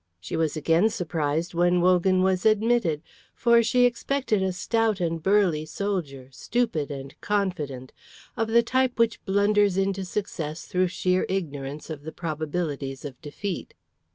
She was again surprised when Wogan was admitted, for she expected a stout and burly soldier, stupid and confident, of the type which blunders into success through sheer ignorance of the probabilities of defeat.